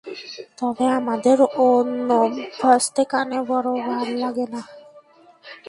তবে আমাদের অনভ্যস্ত কানে বড় ভাল লাগে না।